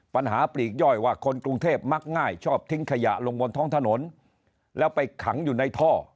ปัญหาปลีกย่อยว่าคนกรุงเทพมักง่ายชอบทิ้งขยะลงบนท้องถนนแล้วไปขังอยู่ในท่อ